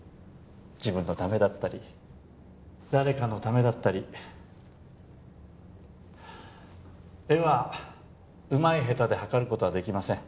自分のためだったり誰かのためだったり絵はうまいヘタではかることはできません